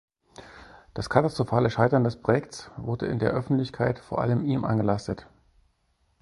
Das katastrophale Scheitern des Projekts wurde in der Öffentlichkeit vor allem ihm angelastet.